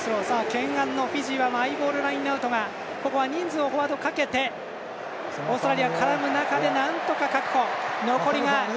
懸案のフィジーはマイボールラインアウトがここは人数をフォワードかけてオーストラリア絡む中でなんとか確保。